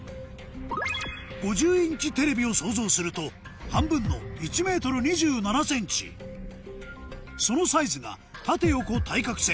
５０インチテレビを想像すると半分の１ｍ２７ｃｍそのサイズがたて横対角線